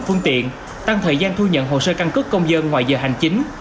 phương tiện tăng thời gian thu nhận hồ sơ căn cước công dân ngoài giờ hành chính